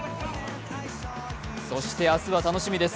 そして明日は楽しみです。